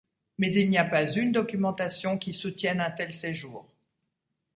Mais il n'y a pas une documentation qui soutienne un tel séjour.